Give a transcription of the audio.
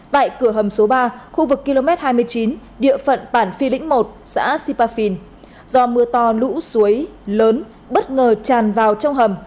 tại cửa hầm số ba khu vực km hai mươi chín địa phận bản phi lĩnh một xã sipafin do mưa to lũ suối lớn bất ngờ tràn vào trong hầm